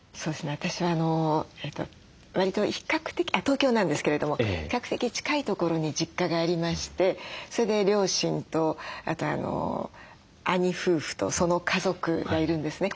私はわりと東京なんですけれども比較的近い所に実家がありましてそれで両親とあと兄夫婦とその家族がいるんですね。